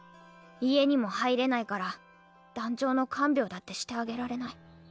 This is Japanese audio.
家にも入れないから団長の看病だってしてあげられない。